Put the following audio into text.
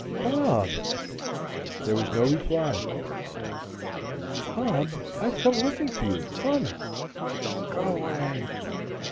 "Bob!" There was no reply. "Bob. I've been looking for you, come." "Go 'way."